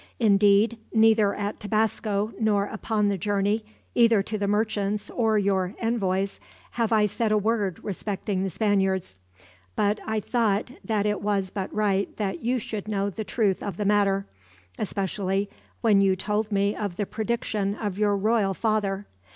Indeed, neither at Tabasco nor upon the journey, either to the merchants or to your envoys, have I said a word respecting the Spaniards; but I thought that it was but right that you should know the truth of the matter, especially when you told me of the prediction of your royal father.